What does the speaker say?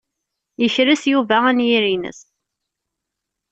Yekres Yuba anyir-nnes.